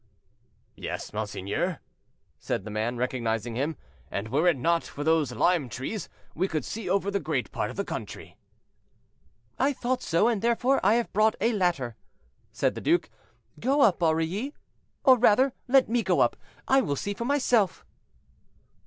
"Yes, monseigneur," said the man, recognizing him, "and were it not for those lime trees, we could see over a great part of the country." "I thought so; and therefore I have brought a ladder," said the duke. "Go up, Aurilly, or rather, let me go up; I will see for myself."